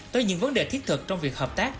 tới những vấn đề thiết thực trong việc hợp tác